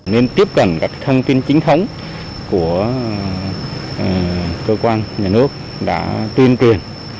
nên tiếp cận các thông tin chính thống của cơ quan nhà nước đã tuyên truyền